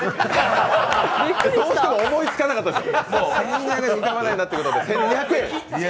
どうしても思いつかなかったんですよ。